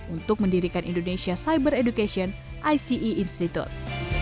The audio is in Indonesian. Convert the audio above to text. untuk mendirikan indonesia cyber education ice institute